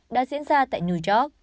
đã diễn ra tại new york